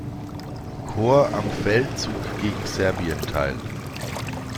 Korps am Feldzug gegen Serbien teil.